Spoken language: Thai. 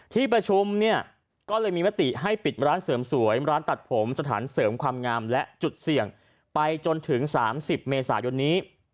ที่ประชุมเนี่ยก็เลยมีมติให้ปิดร้านเสริมสวยร้านตัดผมสถานเสริมความงามและจุดเสี่ยงไปจนถึง๓๐เมษายนนี้